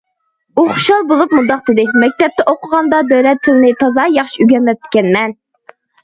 ئۇ خۇشال بولۇپ مۇنداق دېدى: مەكتەپتە ئوقۇغاندا دۆلەت تىلىنى تازا ياخشى ئۆگەنمەپتىكەنمەن.